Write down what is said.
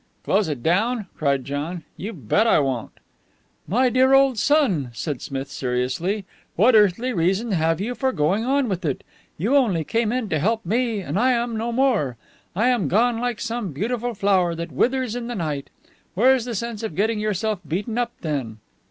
"Close it down!" cried John. "You bet I won't." "My dear old son," said Smith seriously, "what earthly reason have you for going on with it? You only came in to help me, and I am no more. I am gone like some beautiful flower that withers in the night. Where's the sense of getting yourself beaten up then?